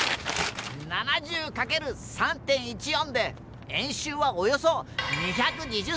７０かける３．１４で円周はおよそ２２０ｃｍ！